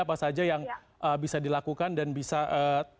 apa saja yang bisa dilakukan dan bisa ee